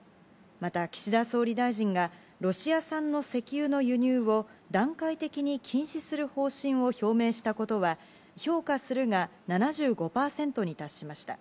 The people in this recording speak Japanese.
また岸田総理大臣がロシア産の石油の輸入を段階的に禁止する方針を表明したことは、評価するが７５％に達しました。